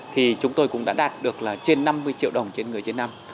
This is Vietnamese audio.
thì chúng tôi cũng đã đạt được là trên năm mươi triệu đồng trên người trên năm